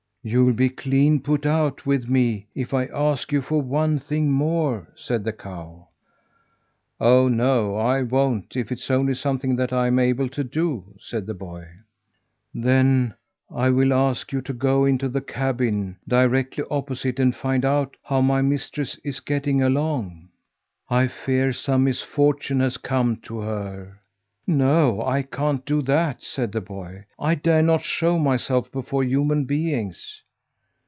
"You'll be clean put out with me if I ask you for one thing more," said the cow. "Oh, no I won't, if it's only something that I'm able to do," said the boy. "Then I will ask you to go into the cabin, directly opposite, and find out how my mistress is getting along. I fear some misfortune has come to her." "No! I can't do that," said the boy. "I dare not show myself before human beings."